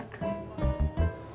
bodoh amat lah